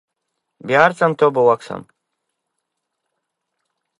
تنوع د افغانستان د طبیعت د ښکلا برخه ده.